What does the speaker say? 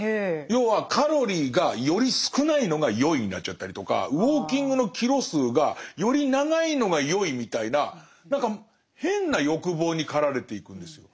要はカロリーがより少ないのがよいになっちゃったりとかウォーキングのキロ数がより長いのがよいみたいな何か変な欲望に駆られていくんですよ。